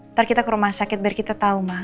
ntar kita ke rumah sakit biar kita tahu mak